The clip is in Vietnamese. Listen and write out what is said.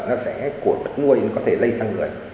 nó sẽ của bậc nuôi nó có thể lây sang người